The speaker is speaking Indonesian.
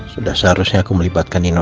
sudah seharusnya aku melibatkan nino